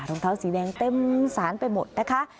รองเท้าสีแดงเต็มสารไปหมดนะคะ